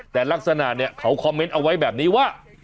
แต่ลักษณะเนี่ยเขาคอมเมนต์เอาไว้แบบนี้ว่า